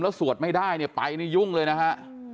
แล้วสวดไม่ได้เนี่ยไปนี่ยุ่งเลยนะฮะ